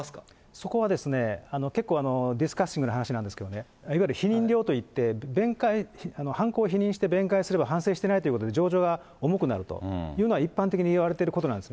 そこは結構、ディスカッシングな話なんですけれども、いわゆる否認病といって犯行を否認して、弁解すれば、反省していないということで、重くなるというのは、一般的にいわれてることなんです。